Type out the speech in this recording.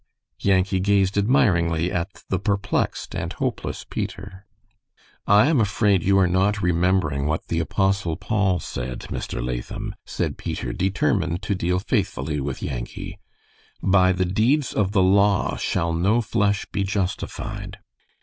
Yankee gazed admiringly at the perplexed and hopeless Peter. "I am afraid you are not remembering what the Apostle Paul said, Mr. Latham," said Peter, determined to deal faithfully with Yankee. "'By the deeds of the law shall no flesh be justified.'"